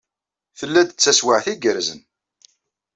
Tella-d d taswiɛt igerrzen.